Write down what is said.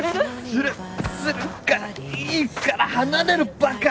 するするからいいから離れろバカ！